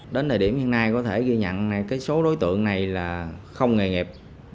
đến thời điểm hiện nay có thể ghi nhận số đối tượng này là không nghề nghiệp